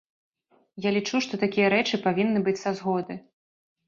Я лічу, што такія рэчы павінны быць са згоды.